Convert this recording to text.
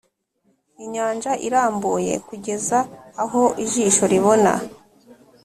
inyanja irambuye kugeza aho ijisho ribona.